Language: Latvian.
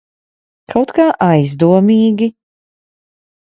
Kaut kā aizdomīgi.